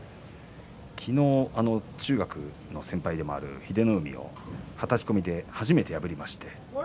昨日、中学の先輩でもある英乃海をはたき込みで初めて破りました。